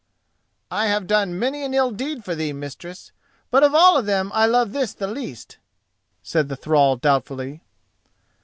"I have done many an ill deed for thee, mistress, but of all of them I love this the least," said the thrall, doubtfully.